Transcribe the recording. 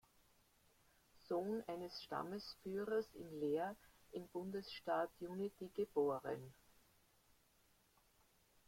Sohn eines Stammesführers in Leer im Bundesstaat Unity geboren.